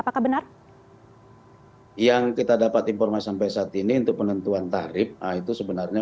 apakah benar yang kita dapat informasi sampai saat ini untuk penentuan tarif itu sebenarnya